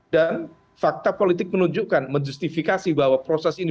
dan fakta politik menunjukkan menjustifikasi bahwa proses ini